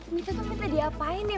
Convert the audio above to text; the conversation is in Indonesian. minta tuh minta diapain ya